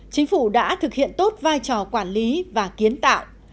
chính phủ đã thực hiện tốt vai trò quản lý và kiến tạo